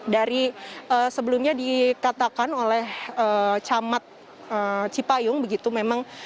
dari sebelumnya dikatakan oleh camat cipayung